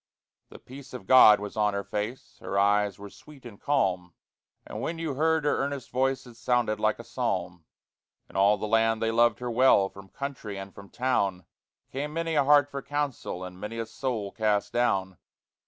The peace of God was on her face, Her eyes were sweet and calm, And when you heard her earnest voice It sounded like a psalm. In all the land they loved her well; From country and from town Came many a heart for counsel, And many a soul cast down.